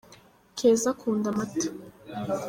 keza Akunda Amata.